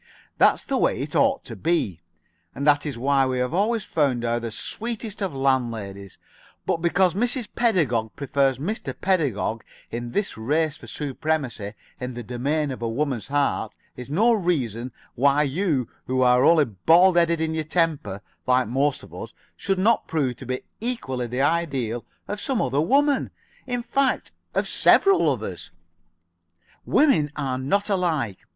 That's the way it ought to be, and that is why we have always found her the sweetest of landladies, but because Mrs. Pedagog prefers Mr. Pedagog in this race for supremacy in the domain of a woman's heart is no reason why you who are only bald headed in your temper, like most of us, should not prove to be equally the ideal of some other woman in fact, of several others. Women are not all alike.